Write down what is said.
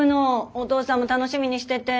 お父さんも楽しみにしてて。